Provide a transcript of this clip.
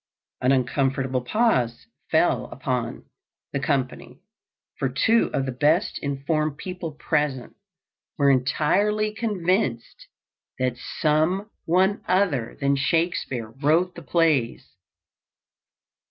An uncomfortable pause fell upon, the company, for two of the best informed people present were entirely convinced that some one other than Shakespeare wrote the plays.